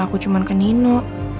aku cuman ke nino